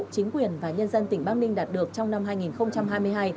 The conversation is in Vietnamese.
chính quyền và nhân dân tỉnh bắc ninh đạt được trong năm hai nghìn hai mươi hai